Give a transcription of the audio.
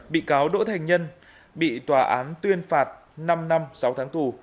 bị cáo đỗ thành nhân bị tòa án tuyên phạt năm năm sáu tháng tù